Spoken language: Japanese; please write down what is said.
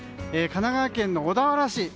神奈川県の小田原市